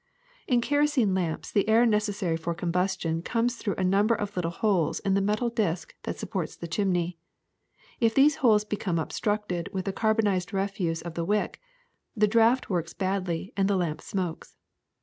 ^^In kerosene lamps the air necessary for combus tion comes through a number of little holes in the metal disk that supports the chimney. If these holes become obstructed with the carbonized refuse of the wick, the draft works badly and the lamp smokes.